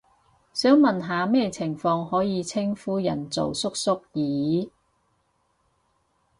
想問下咩情況可以稱呼人做叔叔姨姨？